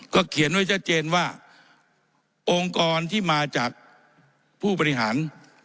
เขียนไว้ชัดเจนว่าองค์กรที่มาจากผู้บริหาร